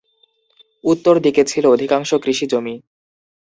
উত্তর দিকে ছিল অধিকাংশ কৃষিজমি।